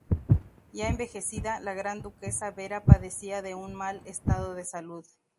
Ya envejecida, la Gran Duquesa Vera padecía de un mal estado de salud.